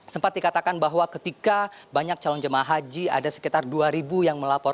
sempat dikatakan bahwa ketika banyak calon jemaah haji ada sekitar dua ribu yang melapor